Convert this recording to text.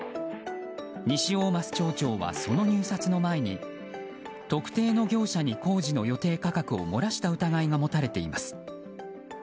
西大舛町長は、その入札の前に特定の業者に工事の予定価格を漏らした疑いが持たれています。